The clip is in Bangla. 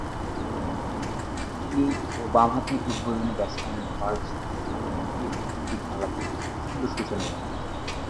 তিনি ও বামহাতি উদ্বোধনী ব্যাটসম্যান বার্ট সাটক্লিফ তিনটি খেলাতে সুন্দর সূচনা এনে দিয়েছিলেন।